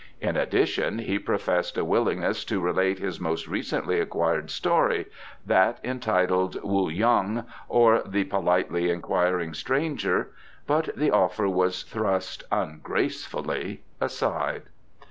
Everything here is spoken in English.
In addition, he professed a willingness to relate his most recently acquired story, that entitled "Wu yong: or The Politely Inquiring Stranger", but the offer was thrust ungracefully aside.